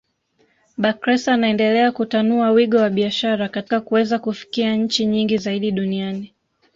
Bakhresa anaendelea kutanua wigo wa biashara katika kuweza kufikia nchi nyingi zaidi duniani